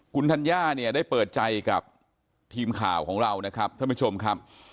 คุณธัญญาเนี่ยได้เปิดใจกับทีมข่าวของเรานะครับท่านผู้ชมครับ